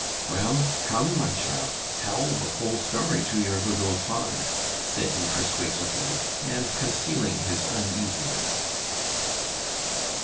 "Well, come, my child, tell the whole story to your good old father," said he persuasively, and concealing his uneasiness.